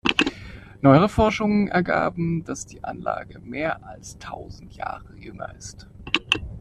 Neuere Forschungen ergaben, dass die Anlage mehr als tausend Jahre jünger ist.